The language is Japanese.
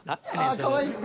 ああかわいい。